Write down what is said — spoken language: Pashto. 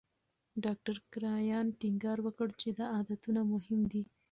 ډاکټر کرایان ټینګار وکړ چې دا عادتونه مهم دي.